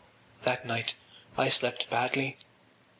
” That night I slept badly.